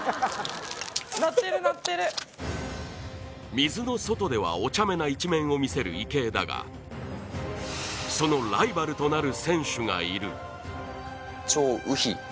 水の外ではおちゃめな一面を見せる池江だが、そのライバルとなる選手がいる。